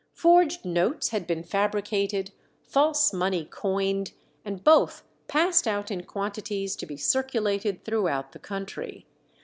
Forged notes had been fabricated, false money coined, and both passed out in quantities to be circulated through the country.